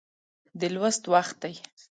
د لوست وخت دی